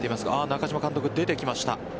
中嶋監督、出てきました。